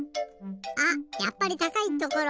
あっやっぱりたかいところ！